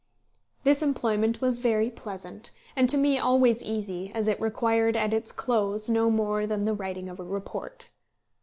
This employment was very pleasant, and to me always easy, as it required at its close no more than the writing of a report.